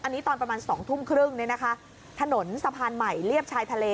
อันนี้ตอนประมาณ๒ทุ่มครึ่งเนี่ยนะคะถนนสะพานใหม่เรียบชายทะเล